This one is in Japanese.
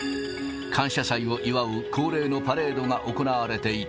感謝祭を祝う恒例のパレードが行われていた。